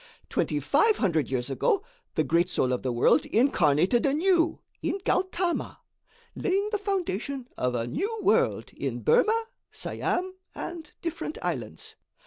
Twenty five hundred years ago, the Great Soul of the World incarnated anew in Gautama, laying the foundation of a new world in Burmah, Siam and different islands.